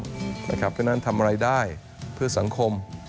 เพราะฉะนั้นทำอะไรได้เพื่อสังคม